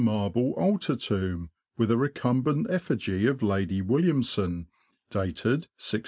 53 marble altar tomb, with a recumbent effigy of Lady Williamson, dated 1684.